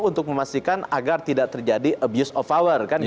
untuk memastikan agar tidak terjadi abuse of power